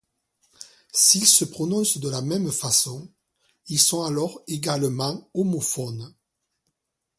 S'ils se prononcent de la même façon, ils sont alors également homophones.